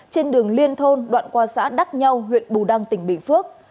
trên đường liên thôn đoạn qua xã đắc nhau huyện bù đăng tỉnh bình phước